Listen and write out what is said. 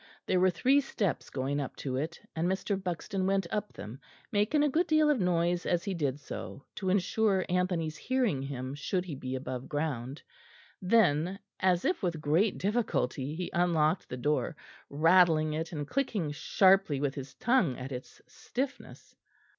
There were three steps going up to it, and Mr. Buxton went up them, making a good deal of noise as he did so, to ensure Anthony's hearing him should he be above ground. Then, as if with great difficulty, he unlocked the door, rattling it, and clicking sharply with his tongue at its stiffness.